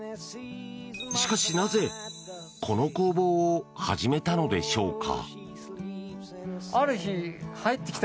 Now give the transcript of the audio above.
しかし、なぜこの工房を始めたのでしょうか。